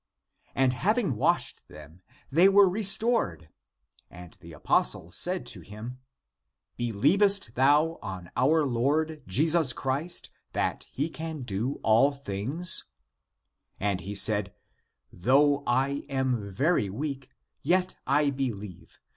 And having washed them they were restored. And the apostle said to him, " Believest thou on our Lord Jesus Christ, that he can do all things ?" And he said, " Though I am very weak, yet I believe.